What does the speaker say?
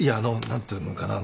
何ていうのかな。